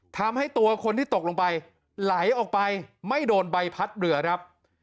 ทำให้ตัวคนที่ตกลงไปไหลออกไปไม่โดนใบพัดเรือครับ